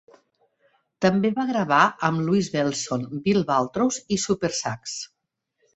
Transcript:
També va gravar amb Louie Bellson, Bill Watrous i Supersax.